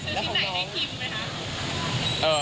ซื้อชิ้นไหนให้คิมไหมคะ